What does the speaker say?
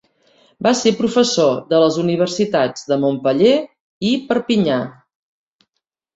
Va ser professor de les universitats de Montpeller i Perpinyà.